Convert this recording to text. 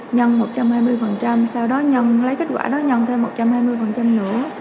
nhân một trăm hai mươi sau đó nhân lấy kết quả đó nhân thêm một trăm hai mươi nữa